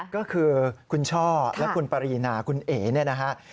ก็คือคุณช่อและคุณปรีนาคุณเอ๋เนี่ยนะฮะ